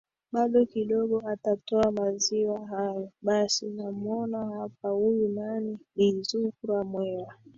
bado kidogo atatoa maziwa hayo basi namwona hapa huyu nani bi zuhra mwera